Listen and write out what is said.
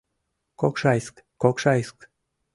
— Кокшайск, Кокшайск!